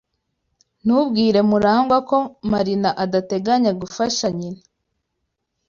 Ntubwire MuragwA ko Marina adateganya gufasha nyina.